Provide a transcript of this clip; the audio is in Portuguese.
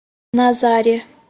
Nazária